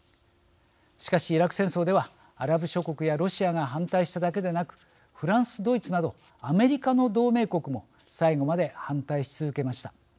しかし、イラク戦争ではアラブ諸国やロシアが反対しただけでなくフランス、ドイツなどアメリカの同盟国も最後まで反対し続けました。